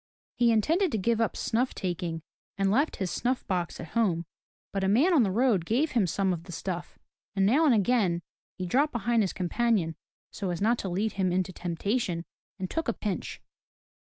He intended to give up snuff taking and left his snuff box at home, but a man on the road gave him some of the stuff, and now and again, he dropped behind his companion so as not to lead him into temptation, and took a pinch.